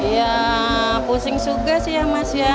ya pusing juga sih ya mas ya